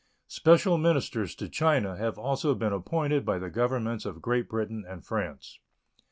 Special ministers to China have also been appointed by the Governments of Great Britain and France.